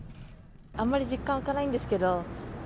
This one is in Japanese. あんまり実感湧かないんです